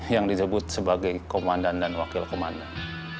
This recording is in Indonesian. yang disebut sebagai komandan dan wakil komandan